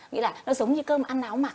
nghĩa là nó giống như cơm ăn áo mặc